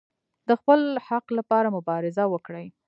د خپل حق لپاره مبارزه وکړئ